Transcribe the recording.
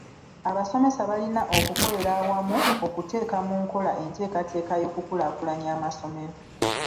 Abasomesa balina okukolera awamu okuteeka mu nkola enteekateeka y'okukulaakulanya amasomero.